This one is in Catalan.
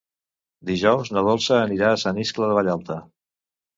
Dijous na Dolça anirà a Sant Iscle de Vallalta.